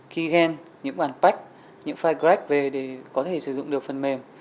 keygen những bản patch những file crack về để có thể sử dụng được phần mềm